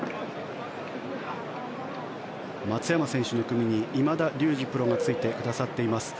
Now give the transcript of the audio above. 松山選手の組に今田竜二プロがついてくださっています。